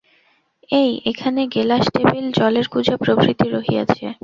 এই এখানে গেলাস, টেবিল, জলের কুঁজা প্রভৃতি রহিয়াছে।